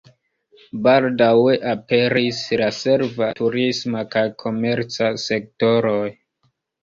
Baldaŭe aperis la serva, turisma kaj komerca sektoroj.